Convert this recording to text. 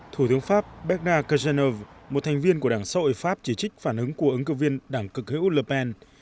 thủ tướng pháp bernard cazeneuve một thành viên của đảng sội pháp chỉ trích phản ứng của ứng cử viên đảng cực hữu le pen